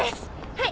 はい。